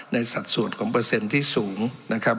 สัดส่วนของเปอร์เซ็นต์ที่สูงนะครับ